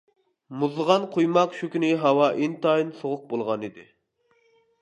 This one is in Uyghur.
مۇزلىغان قۇيماق شۇ كۈنى ھاۋا ئىنتايىن سوغۇق بولغانىدى.